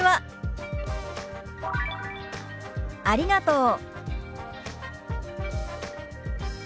「ありがとう」。